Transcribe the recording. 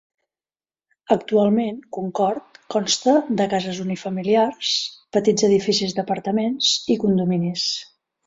Actualment, Concord consta de cases unifamiliars, petits edificis d'apartaments i condominis.